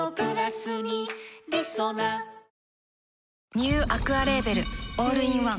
ニューアクアレーベルオールインワン